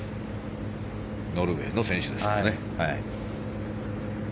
ノルウェーの選手ですね。